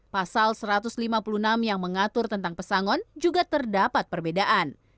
pasal satu ratus lima puluh enam yang mengatur tentang pesangon juga terdapat perbedaan